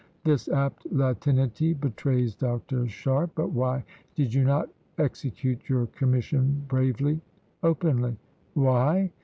_ [This apt latinity betrays Dr. Sharpe.] But why did you not execute your commission bravely [openly]? Why?